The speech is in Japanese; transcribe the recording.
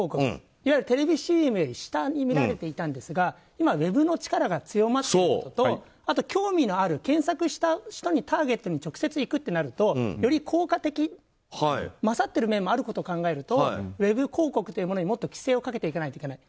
いわゆるテレビＣＭよりも下にみられていたんですが今、ウェブの力が強まっているのと興味のある、検索した人にターゲットに直接いくとなると、より効果的で優っている面を考えるとウェブ広告というものにもっと規制をかけていかないといけない。